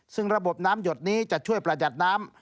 ซึ่งระบบน้ำหยดนี้จะช่วยประหยัดน้ำ